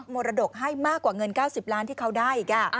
มรดกให้มากกว่าเงิน๙๐ล้านที่เขาได้อีก